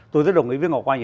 tôi rất đồng ý với ngọc oanh